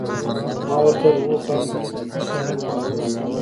ما ورته وویل: هو، په هغه صورت کې که ځینې وغوښتل شي.